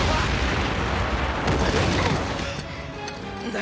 何？